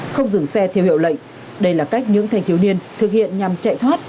không dừng xe theo hiệu lệnh đây là cách những thanh thiếu niên thực hiện nhằm chạy thoát